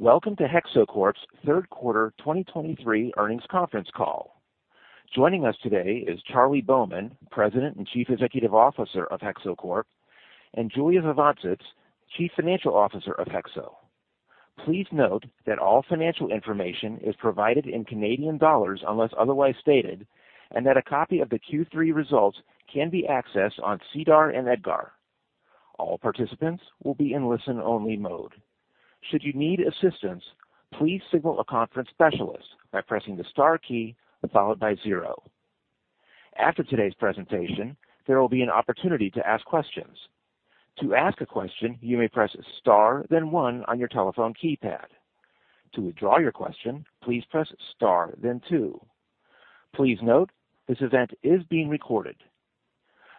Welcome to HEXO Corp.'s third quarter 2023 earnings conference call. Joining us today is Charlie Bowman, President and Chief Executive Officer of HEXO Corp., and Julius Ivancsits, Chief Financial Officer of HEXO. Please note that all financial information is provided in CAD, unless otherwise stated, and that a copy of the Q3 results can be accessed on SEDAR and EDGAR. All participants will be in listen-only mode. Should you need assistance, please signal a conference specialist by pressing the star key followed by zero. After today's presentation, there will be an opportunity to ask questions. To ask a question, you may press star, then one on your telephone keypad. To withdraw your question, please press star, then two. Please note, this event is being recorded.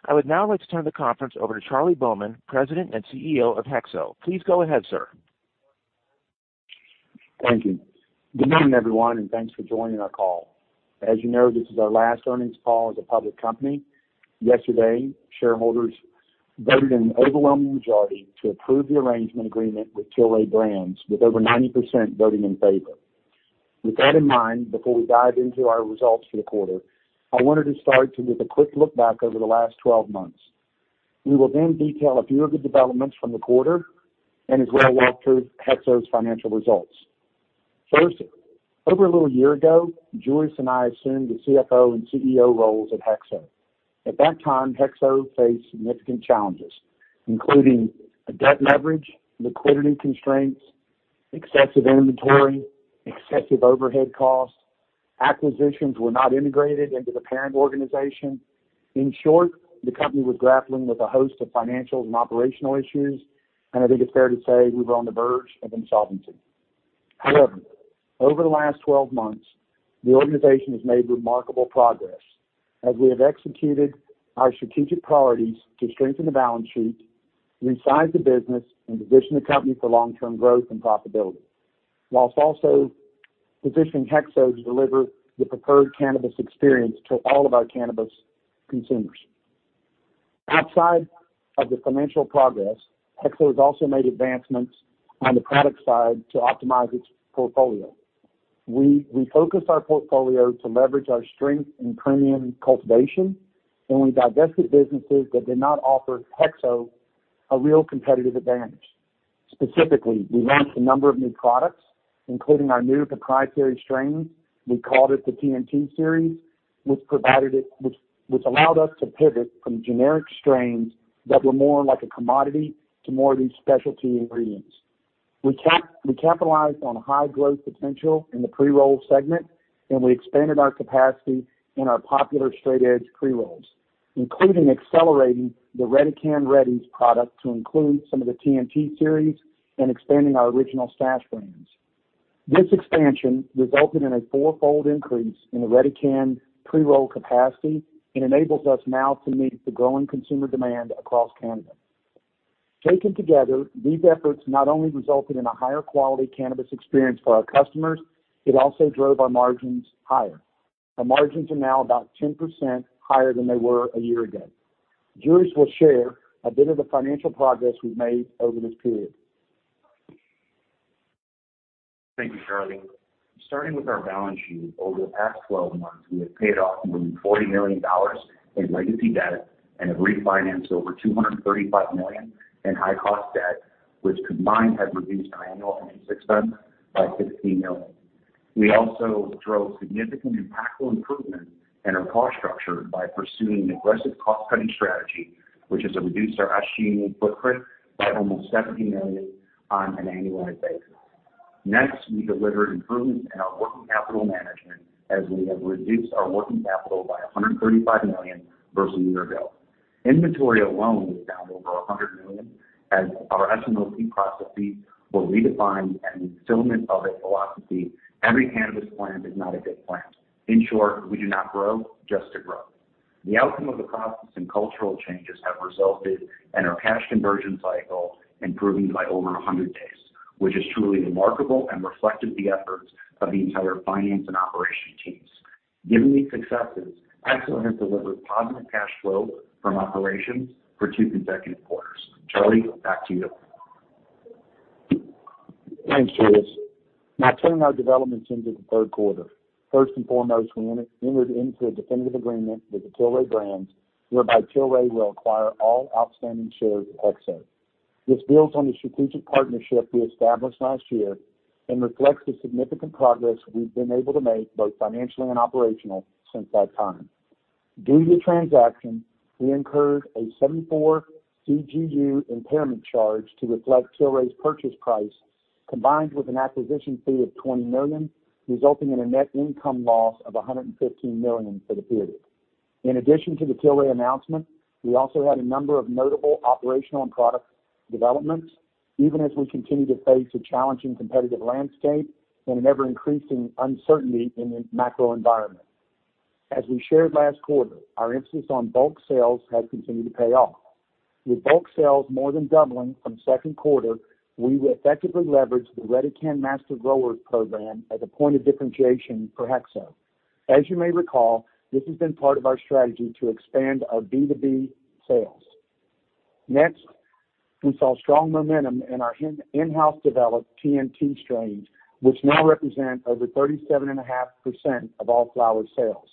I would now like to turn the conference over to Charlie Bowman, President and CEO of HEXO. Please go ahead, sir. Thank you. Good morning, everyone, thanks for joining our call. As you know, this is our last earnings call as a public company. Yesterday, shareholders voted in an overwhelming majority to approve the arrangement agreement with Tilray Brands, with over 90% voting in favor. With that in mind, before we dive into our results for the quarter, I wanted to start with a quick look back over the last 12 months. We will then detail a few of the developments from the quarter as well walk through HEXO's financial results. First, over a little year ago, Julius and I assumed the CFO and CEO roles at HEXO. At that time, HEXO faced significant challenges, including a debt leverage, liquidity constraints, excessive inventory, excessive overhead costs. Acquisitions were not integrated into the parent organization. In short, the company was grappling with a host of financial and operational issues. I think it's fair to say we were on the verge of insolvency. However, over the last 12 months, the organization has made remarkable progress as we have executed our strategic priorities to strengthen the balance sheet, resize the business, and position the company for long-term growth and profitability, whilst also positioning HEXO to deliver the preferred cannabis experience to all of our cannabis consumers. Outside of the financial progress, HEXO has also made advancements on the product side to optimize its portfolio. We focused our portfolio to leverage our strength in premium cultivation, and we divested businesses that did not offer HEXO a real competitive advantage. Specifically, we launched a number of new products, including our new proprietary strain. We called it the TnT Series, which allowed us to pivot from generic strains that were more like a commodity to more of these specialty ingredients. We capitalized on high growth potential in the pre-roll segment, and we expanded our capacity in our popular straight edge pre-rolls, including accelerating the Redecan Redees product to include some of the TnT series and expanding our Original Stash brands. This expansion resulted in a fourfold increase in the Redecan pre-roll capacity and enables us now to meet the growing consumer demand across Canada. Taken together, these efforts not only resulted in a higher quality cannabis experience for our customers, it also drove our margins higher. Our margins are now about 10% higher than they were a year ago. Julius will share a bit of the financial progress we've made over this period. Thank you, Charlie. Starting with our balance sheet, over the past 12 months, we have paid off more than 40 million dollars in legacy debt and have refinanced over 235 million in high-cost debt, which combined, has reduced our annual interest expense by 15 million. We also drove significant impactful improvement in our cost structure by pursuing an aggressive cost-cutting strategy, which has reduced our SG&A footprint by almost 70 million on an annualized basis. Next, we delivered improvements in our working capital management, as we have reduced our working capital by 135 million versus a year ago. Inventory alone is down over 100 million, as our SMLC processes were redefined and the fulfillment of a philosophy, every cannabis plant is not a good plant. In short, we do not grow just to grow. The outcome of the process and cultural changes have resulted in our cash conversion cycle improving by over 100 days, which is truly remarkable and reflected the efforts of the entire finance and operation teams. Given these successes, HEXO has delivered positive cash flow from operations for two consecutive quarters. Charlie, back to you. Thanks, Julius. Turning our developments into the third quarter. First and foremost, we entered into a definitive agreement with Tilray Brands, whereby Tilray will acquire all outstanding shares of HEXO. This builds on the strategic partnership we established last year and reflects the significant progress we've been able to make, both financially and operational, since that time. Due to the transaction, we incurred a 74 million CGU impairment charge to reflect Tilray's purchase price, combined with an acquisition fee of 20 million, resulting in a net income loss of 115 million for the period. In addition to the Tilray announcement, we also had a number of notable operational and product developments, even as we continue to face a challenging competitive landscape and an ever-increasing uncertainty in the macro environment. As we shared last quarter, our emphasis on bulk sales has continued to pay off. With bulk sales more than doubling from second quarter, we will effectively leverage the Redecan Master Grower program as a point of differentiation for HEXO. As you may recall, this has been part of our strategy to expand our B2B sales. Next, we saw strong momentum in our in-house developed TnT strains, which now represent over 37.5% of all flower sales.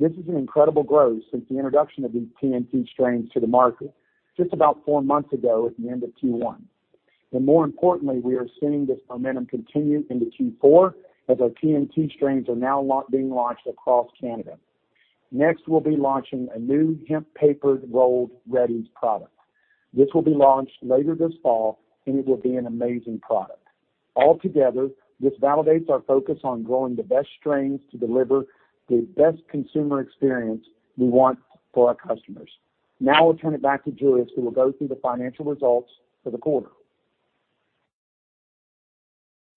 This is an incredible growth since the introduction of these TnT strains to the market just about four months ago at the end of Q1. More importantly, we are seeing this momentum continue into Q4 as our TnT strains are now being launched across Canada. Next, we'll be launching a new hemp paper rolled Redees product. This will be launched later this fall. It will be an amazing product. This validates our focus on growing the best strains to deliver the best consumer experience we want for our customers. Now I'll turn it back to Julius, who will go through the financial results for the quarter.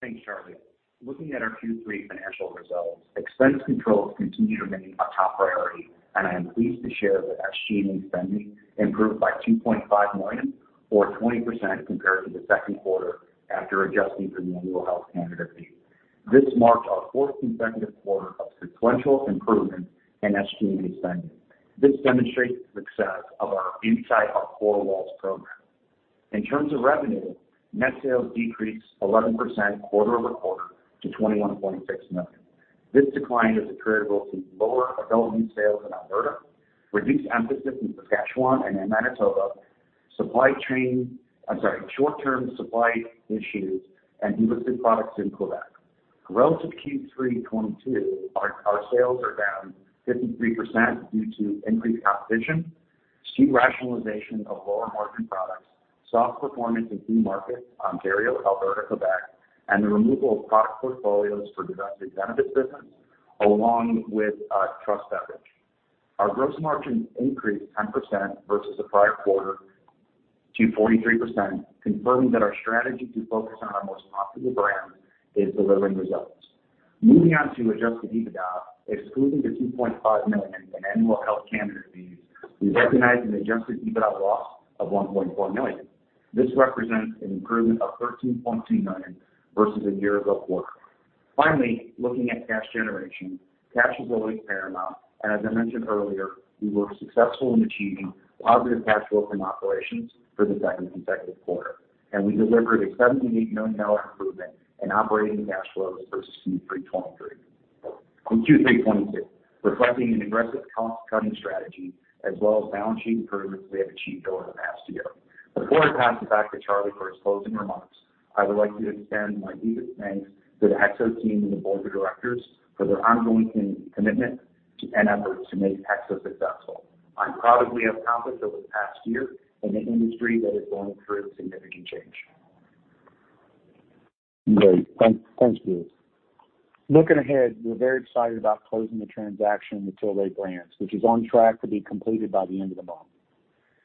Thanks, Charlie. Looking at our Q3 financial results, expense controls continue to remain our top priority. I am pleased to share that SG&A spending improved by 2.5 million, or 20% compared to the second quarter, after adjusting for the annual Health Canada fee. This marked our fourth consecutive quarter of sequential improvement in SG&A spending. This demonstrates the success of our inside our Core Walls program. In terms of revenue, net sales decreased 11% quarter-over-quarter to 21.6 million. This decline is attributable to lower adult use sales in Alberta, reduced emphasis in Saskatchewan and in Manitoba, short-term supply issues and illicit products in Quebec. Relative to Q3 2022, our sales are down 53% due to increased competition, SKU rationalization of lower margin products, soft performance in key markets, Ontario, Alberta, Quebec, and the removal of product portfolios for domestic benefit business, along with Truss Beverage. Our gross margin increased 10% versus the prior quarter to 43%, confirming that our strategy to focus on our most profitable brands is delivering results. Moving on to adjusted EBITDA, excluding the 2.5 million in annual Health Canada fees, we recognized an adjusted EBITDA loss of 1.4 million. This represents an improvement of 13.2 million versus a year ago quarter. Finally, looking at cash generation, cash is always paramount. As I mentioned earlier, we were successful in achieving positive cash flow from operations for the second consecutive quarter. We delivered a 78 million dollar improvement in operating cash flows versus Q3 2023-Q3 2022, reflecting an aggressive cost cutting strategy as well as balance sheet improvements we have achieved over the past year. Before I pass it back to Charlie for his closing remarks, I would like to extend my deepest thanks to the HEXO team and the board of directors for their ongoing commitment and efforts to make HEXO successful. I'm proud of what we have accomplished over the past year in an industry that is going through significant change. Great. Thanks, Julius. Looking ahead, we're very excited about closing the transaction with Tilray Brands, which is on track to be completed by the end of the month.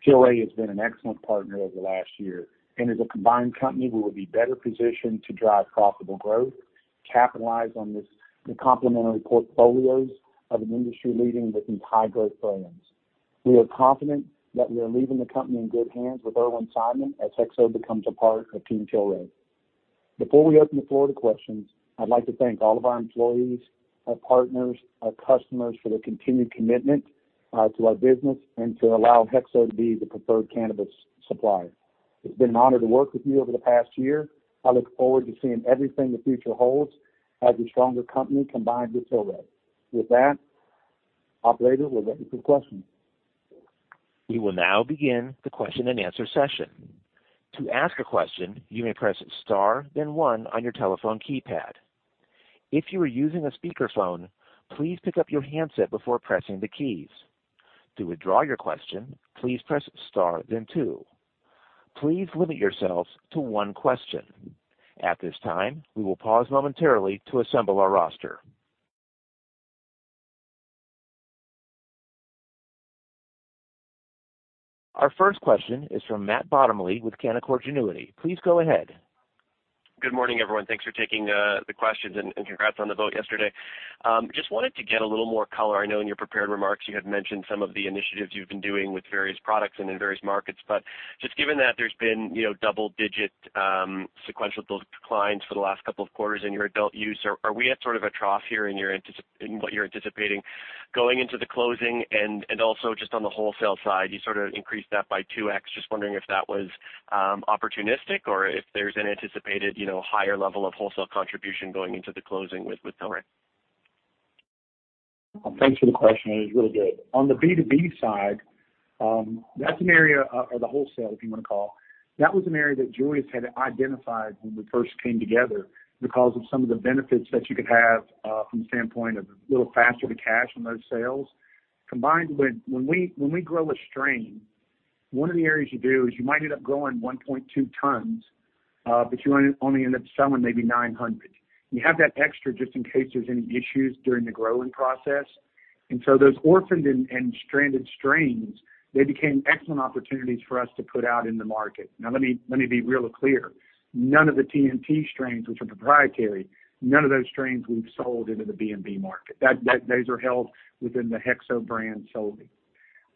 Tilray has been an excellent partner over the last year. As a combined company, we will be better positioned to drive profitable growth, capitalize on this, the complementary portfolios of an industry-leading with these high-growth brands. We are confident that we are leaving the company in good hands with Irwin Simon as HEXO becomes a part of team Tilray. Before we open the floor to questions, I'd like to thank all of our employees, our partners, our customers, for their continued commitment to our business and to allow HEXO to be the preferred cannabis supplier. It's been an honor to work with you over the past year. I look forward to seeing everything the future holds as a stronger company combined with Tilray. With that, operator, we're ready for questions. We will now begin the question and answer session. To ask a question, you may press star then one on your telephone keypad. If you are using a speakerphone, please pick up your handset before pressing the keys. To withdraw your question, please press star then two. Please limit yourselves to one question. At this time, we will pause momentarily to assemble our roster. Our first question is from Matt Bottomley with Canaccord Genuity. Please go ahead. Good morning, everyone. Thanks for taking the questions, and congrats on the vote yesterday. Just wanted to get a little more color. I know in your prepared remarks, you had mentioned some of the initiatives you've been doing with various products and in various markets, but just given that there's been, you know, double-digit sequential declines for the last couple of quarters in your adult use, are we at sort of a trough here in your anticipating going into the closing? Also just on the wholesale side, you sort of increased that by 2x. Just wondering if that was opportunistic or if there's an anticipated, you know, higher level of wholesale contribution going into the closing with Tilray? Thanks for the question. It was really good. On the B2B side, that's an area, or the wholesale, if you want to call, that was an area that Julius had identified when we first came together because of some of the benefits that you could have from the standpoint of a little faster to cash on those sales. Combined with when we grow a strain, one of the areas you do is you might end up growing 1.2 tons, but you only end up selling maybe 900. You have that extra just in case there's any issues during the growing process. Those orphaned and stranded strains, they became excellent opportunities for us to put out in the market. Let me be real clear. None of the TnT strains, which are proprietary, none of those strains we've sold into the B2B market. Those are held within the HEXO brand solely.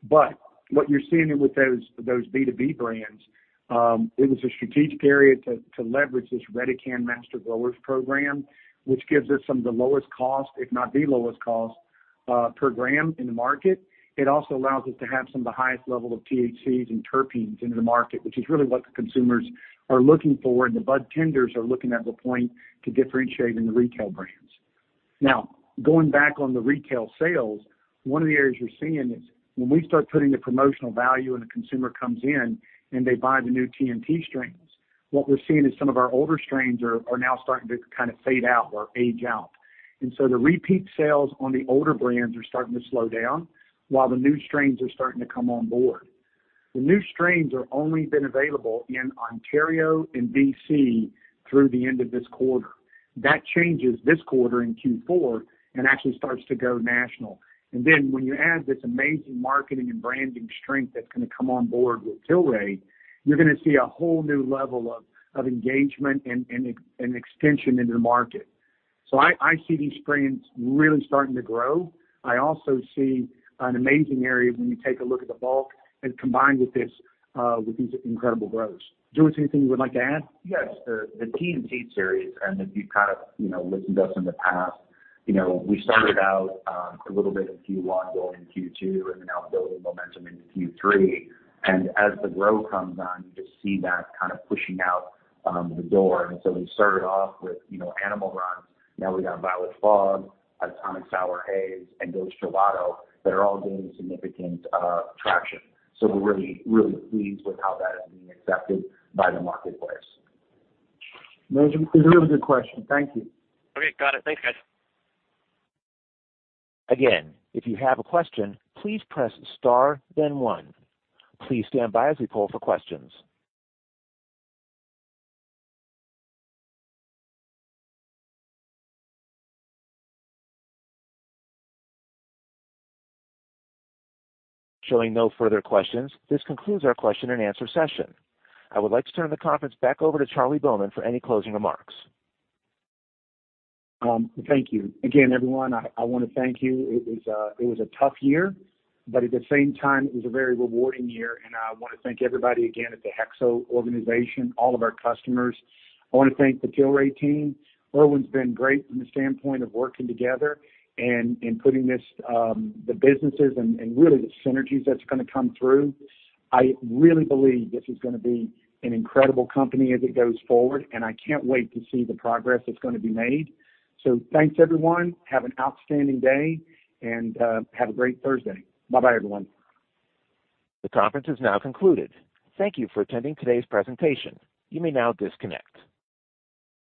What you're seeing with those B2B brands, it was a strategic area to leverage this Redecan Master Growers program, which gives us some of the lowest cost, if not the lowest cost, per gram in the market. It also allows us to have some of the highest level of THCs and terpenes into the market, which is really what the consumers are looking for, and the bud tenders are looking at the point to differentiate in the retail brands. Going back on the retail sales, one of the areas you're seeing is when we start putting the promotional value and the consumer comes in and they buy the new TnT strains, what we're seeing is some of our older strains are now starting to kind of fade out or age out. The repeat sales on the older brands are starting to slow down, while the new strains are starting to come on board. The new strains are only been available in Ontario and BC through the end of this quarter. That changes this quarter in Q4 and actually starts to go national. When you add this amazing marketing and branding strength that's gonna come on board with Tilray, you're gonna see a whole new level of engagement and extension into the market. I see these strains really starting to grow. I also see an amazing area when you take a look at the bulk and combined with this, with these incredible growers. Julius, anything you would like to add? Yes, the TnT Series, if you've kind of, you know, listened to us in the past, you know, we started out a little bit in Q1, building Q2, then now building momentum into Q3. As the grow comes on, you just see that kind of pushing out the door. We started off with, you know, Animal RNTZ. Now we got Violet Fog, Atomik Sour Haze, and Ghost Gelato that are all gaining significant traction. We're really, really pleased with how that is being accepted by the marketplace. It's a really good question. Thank you. Okay, got it. Thanks, guys. Again, if you have a question, please press star then one. Please stand by as we poll for questions. Showing no further questions, this concludes our question and answer session. I would like to turn the conference back over to Charlie Bowman for any closing remarks. Thank you. Again, everyone, I wanna thank you. It was a tough year, but at the same time, it was a very rewarding year, and I wanna thank everybody again at the HEXO organization, all of our customers. I wanna thank the Tilray team. Irwin's been great from the standpoint of working together and putting this, the businesses and really the synergies that's gonna come through. I really believe this is gonna be an incredible company as it goes forward, and I can't wait to see the progress that's gonna be made. Thanks, everyone. Have an outstanding day, and have a great Thursday. Bye-bye, everyone. The conference is now concluded. Thank you for attending today's presentation. You may now disconnect.